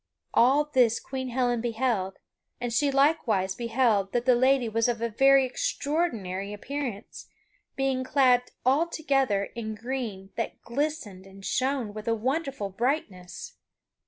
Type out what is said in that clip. All this Queen Helen beheld; and she likewise beheld that the lady was of a very extraordinary appearance, being clad altogether in green that glistered and shone with a wonderful brightness.